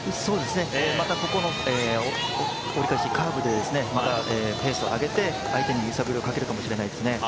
またここの折り返し、カーブでまたペースを上げて相手に揺さぶりをかけるかもしれないですね。